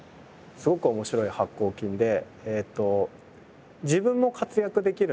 すごく面白い発酵菌で。